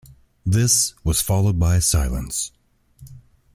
This was followed by a silence.